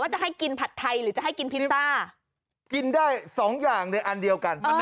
จะให้กินผัดไทยหรือจะให้กินพิตต้ากินได้สองอย่างในอันเดียวกัน